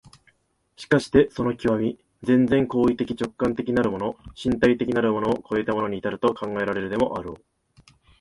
しかしてその極、全然行為的直観的なるもの、身体的なるものを越えたものに到ると考えられるでもあろう。